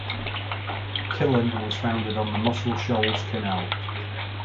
Killen was founded on the Muscle Shoals Canal.